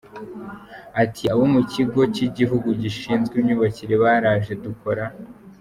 Ati “Abo mu kigo cy’Igihugu gishinzwe imyubakire baraje dukora